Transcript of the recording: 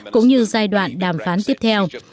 cũng như giai đoạn đàm phán tiếp theo